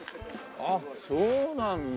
あっそうなんだ。